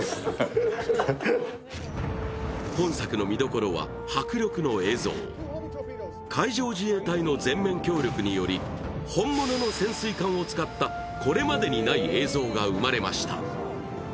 今作の見どころは迫力の映像海上自衛隊の全面協力により本物の潜水艦を使った、これまでにない映像が生まれました。